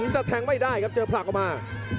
จะแทงไม่ได้ครับเจอผลักออกมา